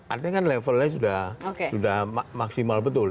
artinya kan levelnya sudah maksimal betul